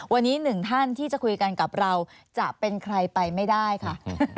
วันนี้หนึ่งท่านที่จะคุยกันกับเราจะเป็นใครไปไม่ได้ค่ะ